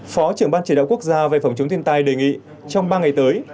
phó trưởng ban chỉ đạo quốc gia về phòng chống thiên tai đề nghị trong ba ngày tới